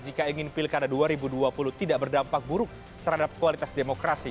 jika ingin pilkada dua ribu dua puluh tidak berdampak buruk terhadap kualitas demokrasi